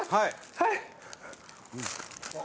はい。